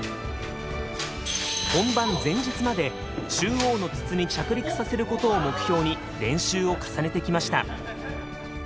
本番前日まで中央の筒に着陸させることを目標に練習を重ねてきました。